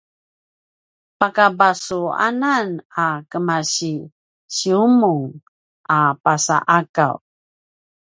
pakabasuanan a kemasiSuimung a pasa’Akaw